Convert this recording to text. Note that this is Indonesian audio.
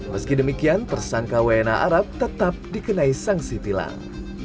meski demikian tersangka wna arab tetap dikenai sanksi tilang